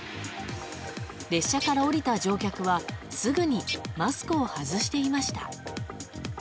列車から降りた乗客はすぐにマスクを外していました。